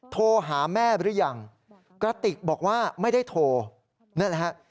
โทรหาแม่หรือยังกระติกบอกว่าไม่ได้โทรนั่นแหละฮะ